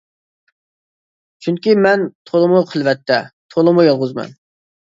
چۈنكى مەن تولىمۇ خىلۋەتتە، تولىمۇ يالغۇزمەن.